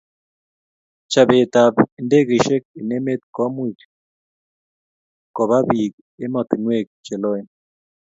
chobet ab ndegeishek eng' emet ko much kobabiik emetaniwek che loen